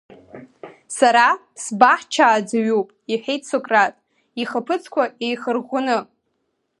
Сара сбаҳчааӡаҩуп, — иҳәеит Сократ ихаԥыцқәа еихарӷәӷәаны.